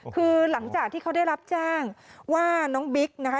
คือหลังจากที่เขาได้รับแจ้งว่าน้องบิ๊กนะคะ